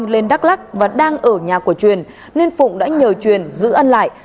lên đắk lắc và đang ở nhà của truyền nên phụng đã nhờ truyền giữ ăn lại